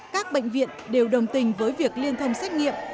các bệnh viện đều đồng tình với việc liên thông xét nghiệm